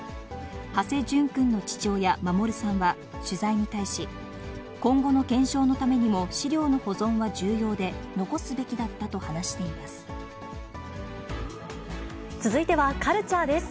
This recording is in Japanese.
土師淳君の父親、守さんは、取材に対し、今後の検証のためにも資料の保存は重要で、残すべきだったと話し続いてはカルチャーです。